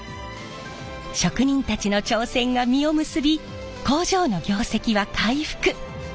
職人たちの挑戦が実を結び工場の業績は回復。